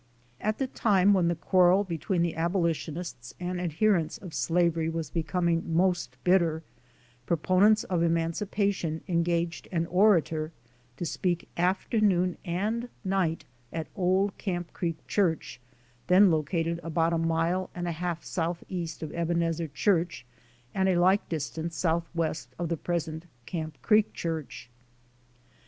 At the time when the quarrel between the abolitionists and adherents of slavery was becoming most bitter, projjon ents of emancipation engaged an orator to speak afternoon and night at Old Camp Creek church, then located about a mile and a half southeast of Ebenezer church and a like dis tance southwest of the present Camp Creek church.